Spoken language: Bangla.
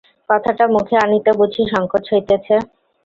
কথাটা মুখে আনিতে বুঝি সঙ্কোচ হইতেছে!